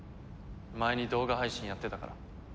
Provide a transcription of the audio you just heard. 前に動画配信やってたから。